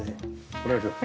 お願いします。